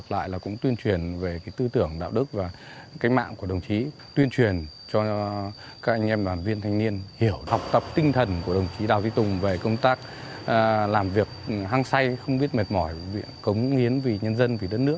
lại là cũng tuyên truyền về cái tư tưởng đạo đức và cách mạng của đồng chí tuyên truyền cho các anh em đoàn viên thanh niên hiểu học tập tinh thần của đồng chí đào duy tùng về công tác làm việc hăng say không biết mệt mỏi cống nghiến vì nhân dân vì đất nước